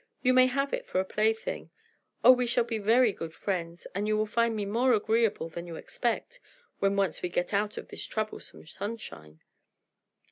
You may have it for a plaything. Oh, we shall be very good friends, and you will find me more agreeable than you expect, when once we get out of this troublesome sunshine."